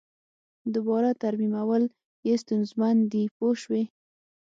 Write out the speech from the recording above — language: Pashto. دوباره ترمیمول یې ستونزمن دي پوه شوې!.